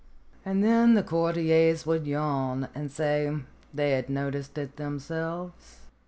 And then the courtiers would yawn and say they had noticed it themselves.